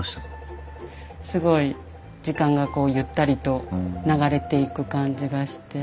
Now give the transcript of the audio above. すごい時間がゆったりと流れていく感じがして。